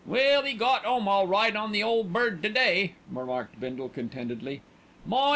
"Well, 'e got 'ome all right on the Ole Bird to day," remarked Bindle contentedly. "My!